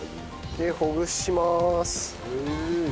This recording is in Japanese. ほぐします。